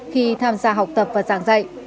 khi tham gia học tập và giảng dạy